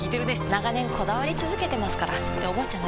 長年こだわり続けてますからっておばあちゃん